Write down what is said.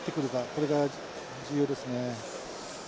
これが重要ですね。